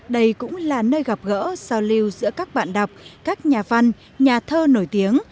đây cũng là nơi gặp gỡ giao lưu giữa các bạn đọc các nhà văn nhà thơ nổi tiếng